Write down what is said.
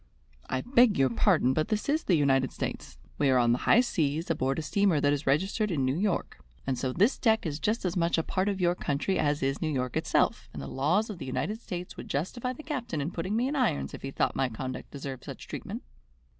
"I beg your pardon, but this is the United States. We are on the high seas, aboard a steamer that is registered in New York, and so this deck is just as much a part of your country as is New York itself, and the laws of the United States would justify the captain in putting me in irons if he thought my conduct deserved such treatment."